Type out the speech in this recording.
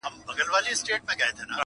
دا خپل عقل مي دښمن دی تل غمګین یم٫